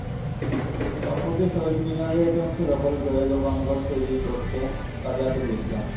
সম্প্রতি শহীদ মিনারের একাংশ দখল করে দোকানঘর তৈরি করছেন কাজী আতিকুল ইসলাম।